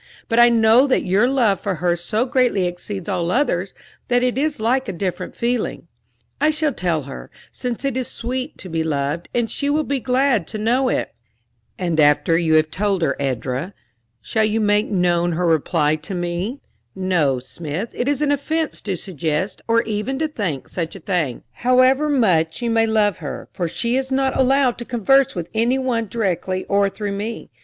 "But I know that your love for her so greatly exceeds all others, that it is like a different feeling. I shall tell her, since it is sweet to be loved, and she will be glad to know it." "And after you have told her, Edra, shall you make known her reply to me?" "No, Smith; it is an offense to suggest, or even to think, such a thing, however much you may love her, for she is not allowed to converse with any one directly or through me.